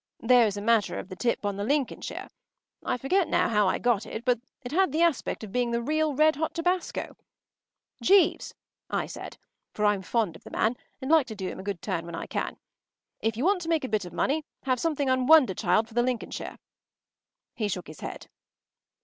There was the matter of that tip on the “Lincolnshire.” I forget now how I got it, but it had the aspect of being the real, red hot tabasco. “Jeeves,” I said, for I’m fond of the man, and like to do him a good turn when I can, “if you want to make a bit of money have something on Wonderchild for the ‘Lincolnshire.’” He shook his head.